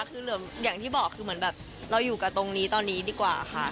คืออย่างที่บอกคือเหมือนแบบเราอยู่กับตรงนี้ตอนนี้ดีกว่าค่ะ